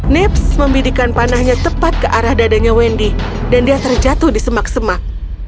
nips membidikan panahnya tepat ke arah dadanya wendy dan dia terjatuh di semak semak